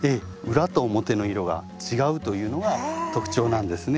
裏と表の色が違うというのが特徴なんですね。